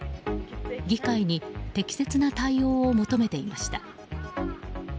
議会に適切な対応を求めていました。